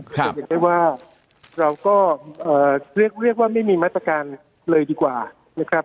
จะเห็นได้ว่าเราก็เรียกว่าไม่มีมาตรการเลยดีกว่านะครับ